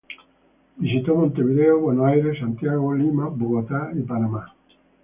Visitó Montevideo, Buenos Aires, Santiago, Lima, Bogotá y Panamá.